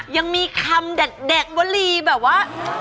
ยังมีคำเด็ดวลีแบบว่า